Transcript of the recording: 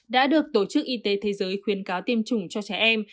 đã được tổ chức y tế thế giới khuyến cáo tiêm chủng cho trẻ em